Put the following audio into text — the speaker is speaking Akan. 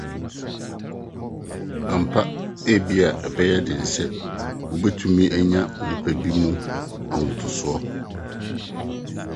Ampa, ebia ɛbɛyɛ den sɛ wubetumi anya onipa bi mu ahotoso.